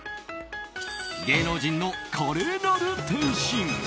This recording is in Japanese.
芸能人の華麗なる転身。